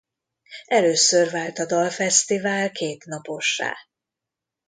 Először vált a dalfesztivál kétnapossá.